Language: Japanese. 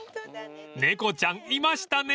［猫ちゃんいましたね］